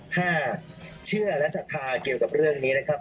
ถ้าเชื่อและศรัทธาเกี่ยวกับเรื่องนี้นะครับ